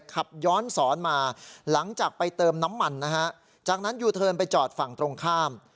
ขับย้อนสอนมาหลังจากไปเติมน้ำมันนะฮะจากนั้นยูเทิร์นไปจอดฝั่งตรงข้าม